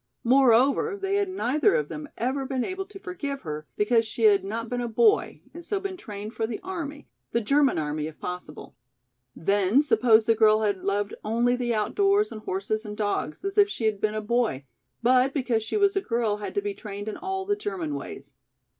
Moreover, they had neither of them ever been able to forgive her because she had not been a boy and so been trained for the army, the German army if possible. Then suppose the girl had loved only the outdoors and horses and dogs as if she had been a boy, but because she was a girl had to be trained in all the German ways.